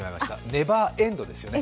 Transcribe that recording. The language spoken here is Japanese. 「ネバーエンド」ですよね。